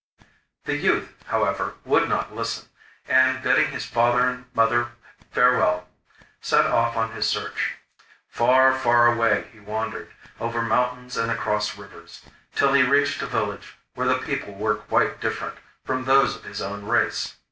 The youth, however, would not listen; and bidding his father and mother farewell, set out on his search. Far, far away he wandered, over mountains and across rivers, till he reached a village where the people were quite different from those of his own race.